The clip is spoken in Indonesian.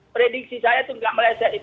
prediksi saya itu nggak meleset